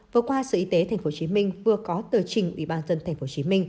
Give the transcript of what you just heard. vừa qua sở y tế tp hcm vừa có tờ trình ubnd tp hcm